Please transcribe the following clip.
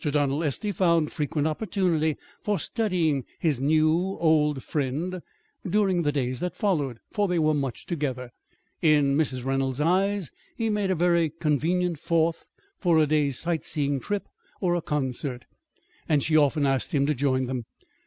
Donald Estey found frequent opportunity for studying his new old friend during the days that followed, for they were much together. In Mrs. Reynolds's eyes he made a very convenient fourth for a day's sight seeing trip or a concert, and she often asked him to join them.